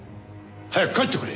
早く帰ってくれ！